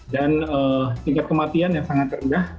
dan tingkat kematian yang sangat terendah